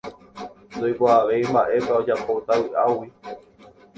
ndoikuaavéi mba'épa ojapóta vy'águi.